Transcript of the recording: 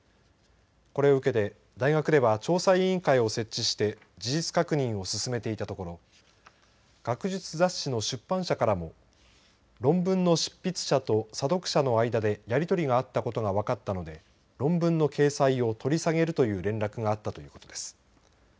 これを受けて大学では調査委員会を設置して事実確認を進めていたところ学術雑誌の出版社からも論文の執筆者と査読者の間でやり取りがあったことが分かったので論文の掲載を取り下げるという連絡があったということです。